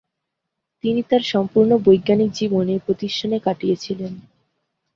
তিনি তার সম্পূর্ণ বৈজ্ঞানিক জীবন এই প্রতিষ্ঠানে কাটিয়েছিলেন।